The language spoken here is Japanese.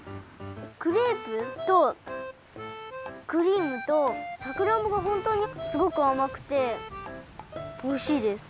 クレープとクリームとさくらんぼがほんとうにすごくあまくておいしいです。